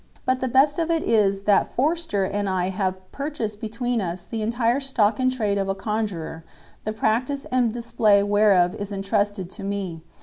But the best of it is that Forster and I have purchased between us the entire stock in trade of a conjuror, the practice and display whereof is entrusted to me.